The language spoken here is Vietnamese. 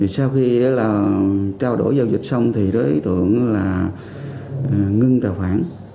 sau khi trao đổi giao dịch xong đối tượng ngưng tài khoản